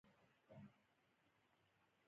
اتۀ سوه نهه سوه زر دوه زره درې زره